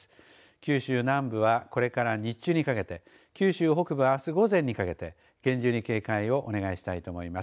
九州南部はこれから日中にかけて九州北部あす午前にかけて厳重に警戒をお願いしたいと思います。